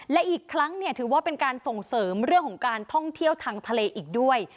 และอีกครั้งถือว่าเป็นการส่งเสริมเรื่องของการท่องเที่ยวทางทะเลอีกด้วย